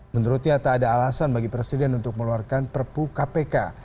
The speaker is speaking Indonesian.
menurutnya tak ada alasan bagi presiden untuk mengeluarkan perpu kpk